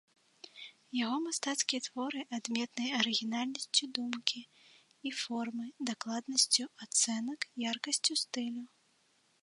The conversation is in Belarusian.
Яго мастацкія творы адметныя арыгінальнасцю думкі і формы, дакладнасцю ацэнак, яркасцю стылю.